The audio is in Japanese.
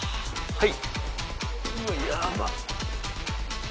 はい。